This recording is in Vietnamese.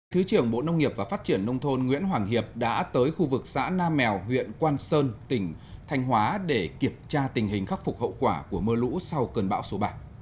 thứ trưởng bộ nông nghiệp và phát triển nông thôn nguyễn hoàng hiệp đã tới khu vực xã nam mèo huyện quang sơn tỉnh thanh hóa để kiểm tra tình hình khắc phục hậu quả của mưa lũ sau cơn bão số ba